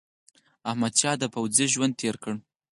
احمدشاه د پوځي ژوند تېر کړ.